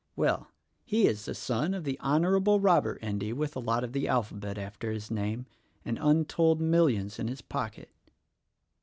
Well, he is the son of the Honorable Robert Endy with a lot of the alphabet after his name — and untold millions in his pocket."